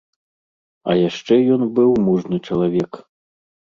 А яшчэ ён быў мужны чалавек.